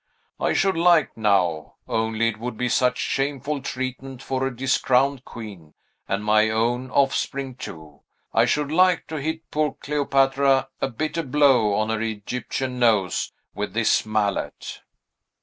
I should like, now, only it would be such shameful treatment for a discrowned queen, and my own offspring too, I should like to hit poor Cleopatra a bitter blow on her Egyptian nose with this mallet."